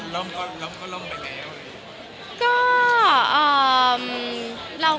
ล้มก็ล้มไปแล้ว